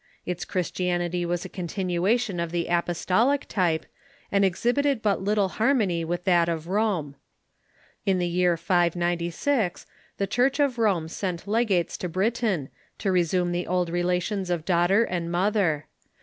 Its Christianit}^ Avas a con tinuation of the apostolic type, and exhibited but little har mony with that of Rome. In the year 596, the Church of Rome sent legates to Britain, to resume the old relations of daughter and mother.